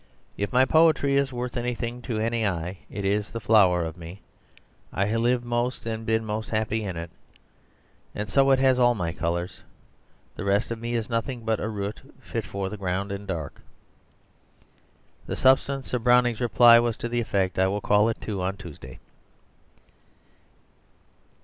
If my poetry is worth anything to any eye, it is the flower of me. I have lived most and been most happy in it, and so it has all my colours; the rest of me is nothing but a root, fit for the ground and dark." The substance of Browning's reply was to the effect, "I will call at two on Tuesday."